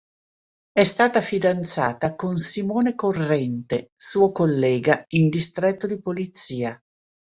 È stata fidanzata con Simone Corrente, suo collega in "Distretto di Polizia".